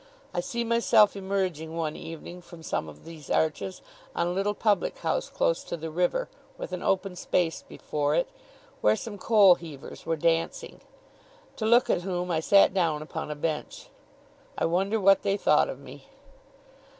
I see myself emerging one evening from some of these arches, on a little public house close to the river, with an open space before it, where some coal heavers were dancing; to look at whom I sat down upon a bench. I wonder what they thought of me!